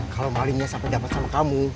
kalau malimnya sampai dapat sama kamu